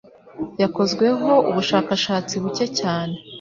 yakozweho ubushakashatsi bucye cyane